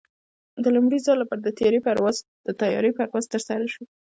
د لومړي ځل لپاره د طیارې پرواز ترسره شو.